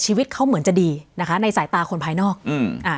ชีวิตเขาเหมือนจะดีนะคะในสายตาคนภายนอกอืมอ่า